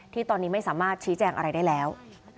ที่ตอนนี้ไม่สามารถชี้แจงอะไรได้แล้ว